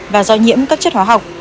và do nhiễm các chất hóa học